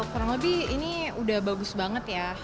kurang lebih ini udah bagus banget ya